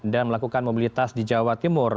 dan melakukan mobilitas di jawa timur